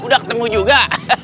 udah ketemu juga